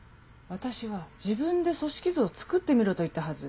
私は自分で組織図を作ってみろと言ったはず。